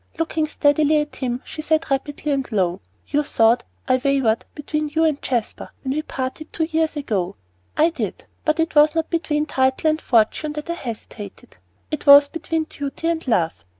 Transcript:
Looking steadily at him, she said rapidly and low, "You thought I wavered between you and Jasper, when we parted two years ago. I did; but it was not between title and fortune that I hesitated. It was between duty and love.